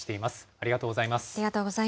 ありがとうございます。